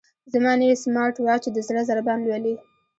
زما نوی سمارټ واچ د زړه ضربان لولي.